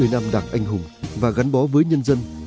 bảy mươi năm đảng anh hùng và gắn bó với nhân dân